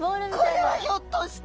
これはひょっとして！